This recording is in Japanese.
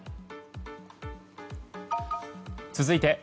続いて。